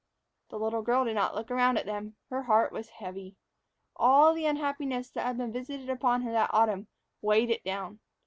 The little girl did not look around at them. Her heart was heavy. All the unhappiness that had been visited upon her that autumn weighed it down.